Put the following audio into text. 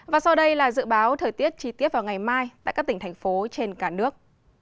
và sau đây là dự báo thời tiết chi tiết vào ngày mai tại các tỉnh thành phố trên cả nước